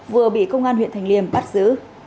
vừa bị công an huyện thành liêm bắt giữ